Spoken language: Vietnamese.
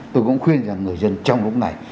tôi cũng khuyên rằng người dân trong lúc này